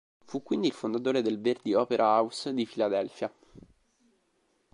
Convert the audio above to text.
Fu quindi il fondatore del Verdi Opera House di Filadelfia.